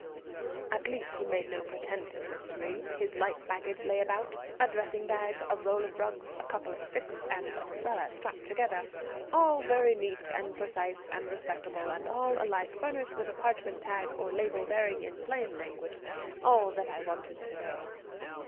At least he made no pretence at mystery; his light baggage lay about, a dressing bag, a roll of rugs, a couple of sticks and an umbrella strapped together, all very neat and precise and respectable, and all alike furnished with a parchment tag or label bearing in plain language all that I wanted to know.